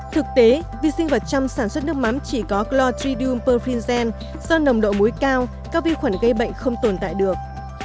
thực tế vi sinh vật chăm sản xuất nước mắm chỉ có clotridium perfringens do nồng độ mối cao các vi khuẩn gây bệnh không tồn tại được